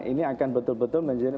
ini akan betul betul menjadi